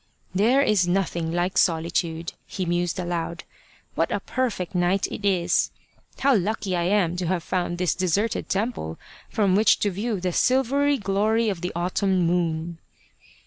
" There is nothing like solitude," he mused aloud. " What a perfect night it is ! How lucky I am to have found this deserted temple from which to view the silvery glory of the autumn moon."